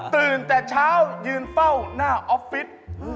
ตื่นแต่เช้ายืนเฝ้าหน้าออฟฟิศ